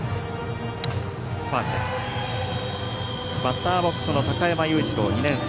バッターボックスの高山裕次郎２年生。